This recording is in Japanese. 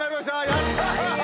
やった！